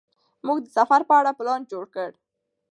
موږ د سفر په اړه پلان جوړ کړ.